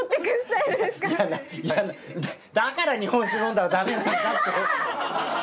いやいやだから日本酒飲んだらダメなんだって。